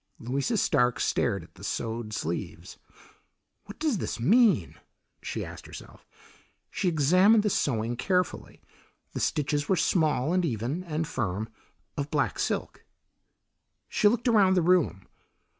Louisa Stark stared at the sewed sleeves. "What does this mean?" she asked herself. She examined the sewing carefully; the stitches were small, and even, and firm, of black silk. She looked around the room.